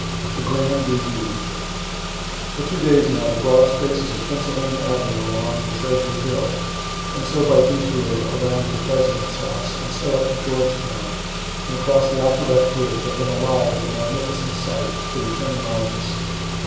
THE GRAND REVIEW For two days now the broad spaces of Pennsylvania avenue along to Treasury hill, and so by detour around to the President's house, and so up to Georgetown, and across the aqueduct bridge, have been alive with a magnificent sight, the returning armies.